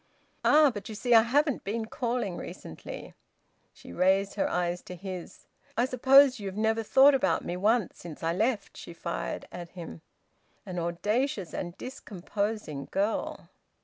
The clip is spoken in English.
"Ah! But you see I haven't been calling recently." She raised her eyes to his. "I suppose you've never thought about me once since I left!" she fired at him. An audacious and discomposing girl!